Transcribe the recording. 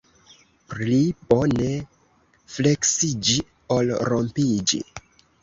Pli bone fleksiĝi, ol rompiĝi.